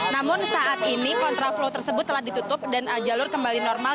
namun saat ini kontraflow tersebut telah ditutup dan jalur kembali normal